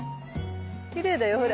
きれいだよほら。